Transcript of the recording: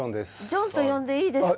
ジョンと呼んでいいですか？